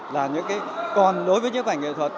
là những con đối với nhiếp ảnh nghệ thuật